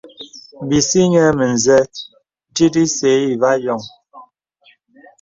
Bisi nyɛ mə̀zə tit ǐsə iva yɔŋ.